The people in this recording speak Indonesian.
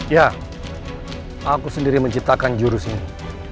ya aku sendiri menciptakan jurus ini